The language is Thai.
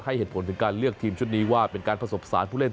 ให้เหตุผลถึงการเลือกทีมชุดนี้ว่าเป็นการผสมสารผู้เล่น